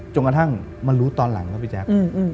ประทั่งมันรู้ตอนหลังนะพี่แจ๊ค